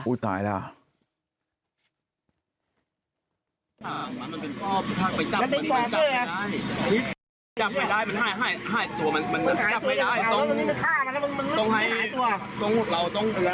อุ๊ยตายแล้ว